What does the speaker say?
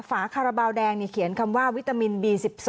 ฝาคาราบาลแดงเขียนคำว่าวิตามินบี๑๒